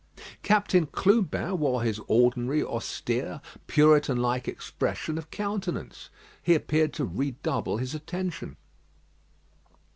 Captain Clubin wore his ordinary austere, Puritan like expression of countenance. He appeared to redouble his attention.